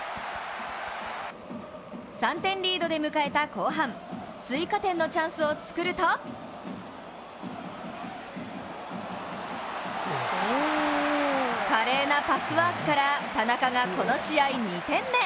３点リードで迎えた後半、追加点のチャンスを作ると華麗なパスワークから田中がこの試合２点目。